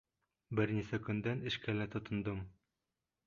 Бер нисә көндән эшкә лә тотондом.